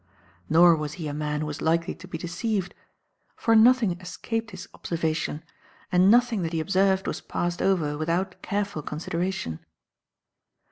Nor was he a man who was likely to be deceived; for nothing escaped his observation, and nothing that he observed was passed over without careful consideration.